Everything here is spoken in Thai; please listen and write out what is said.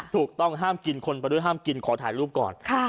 ถูกต้องห้ามกินคนไปด้วยห้ามกินขอถ่ายรูปก่อน